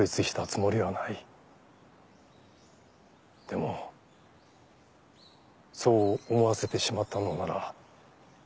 でもそう思わせてしまったのなら。